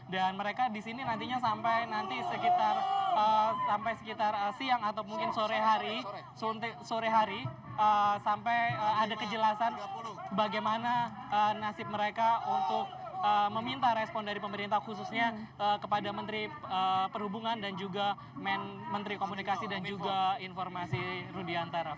dan mereka disini nantinya sampai sekitar siang atau mungkin sore hari sampai ada kejelasan bagaimana nasib mereka untuk meminta respon dari pemerintah khususnya kepada menteri perhubungan dan juga menteri komunikasi dan juga informasi rudiantara